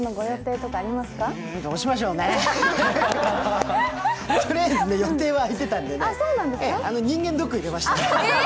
とりあえず予定は空いてたんで人間ドック入れました。